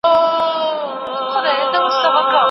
زده کړه د ژوندانه د معیار د لوړولو لپاره اړینه ده.